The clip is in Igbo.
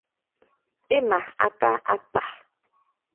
ịma aka akpà